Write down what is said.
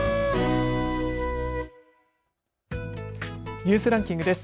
ニュースランキングです。